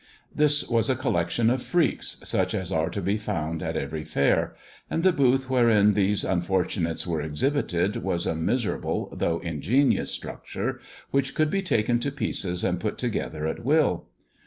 This was a collection of freaks, ich as are to be found at every fair; and the booth herein these unfortunates were exhibited was a miserable lough ingenious structure, which could be taken to pieces ad put together at will.